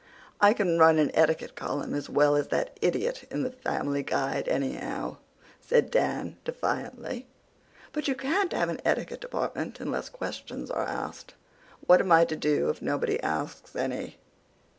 "I can run an etiquette column as well as that idiot in the Family Guide, anyhow," said Dan defiantly. "But you can't have an etiquette department unless questions are asked. What am I to do if nobody asks any?"